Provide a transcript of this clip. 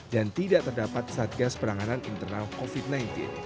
dan tidak terdapat satgas peranganan internal covid sembilan belas